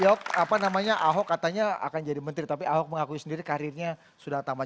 jawab apa namanya ahok katanya akan jadi menteri tapi ahok mengakui sendiri karirnya sudah tambah